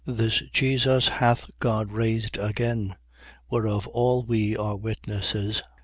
2:32. This Jesus hath God raised again, whereof all we are witnesses.